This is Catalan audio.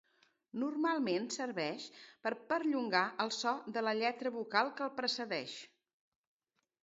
Normalment serveix per perllongar el so de la lletra vocal que el precedeix.